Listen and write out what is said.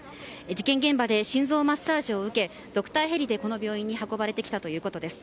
事件現場で心臓マッサージを受けドクターヘリで運ばれてきたということです。